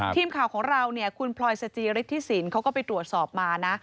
ทีมข่าวของเราเนี่ยคุณพลอยสจิฤทธิสินเขาก็ไปตรวจสอบมานะ